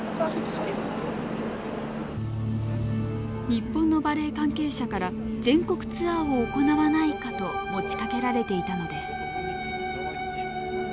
日本のバレエ関係者から全国ツアーを行わないかと持ちかけられていたのです。